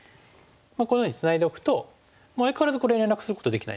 このようにツナいでおくと相変わらずこれ連絡することできないです。